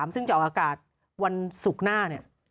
ซึ่งจะออกอากาศวันศุกร์หน้า